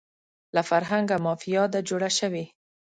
له فرهنګه مافیا ده جوړه شوې